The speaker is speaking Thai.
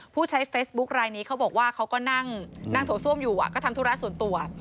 ผู้ใช้เฟซบุ๊คลายนี้เขาบอกว่าเขาก็นั่งโถส้วมอยู่ก็ทำธุระส่วนตัว